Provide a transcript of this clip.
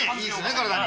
体に。